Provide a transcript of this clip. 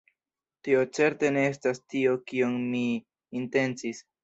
Tio certe ne estas tio kion mi intencis!